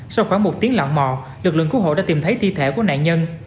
sau khoảng một tiếng lặng mò lực lượng cứu hộ đã tìm thấy thi thể của nạn nhân